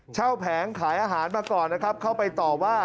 แผงขายอาหารมาก่อนนะครับเข้าไปต่อว่า